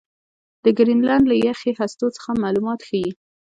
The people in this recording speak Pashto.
د ګرینلنډ له یخي هستو څخه معلومات ښيي.